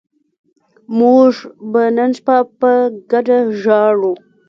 موږ به نن شپه په ګډه ژاړو